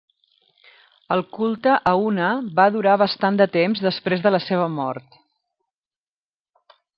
El culte a Una va durar bastant de temps després de la seva mort.